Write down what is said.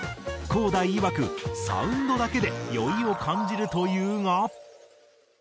ＫＯＨＤいわくサウンドだけで酔いを感じるというが。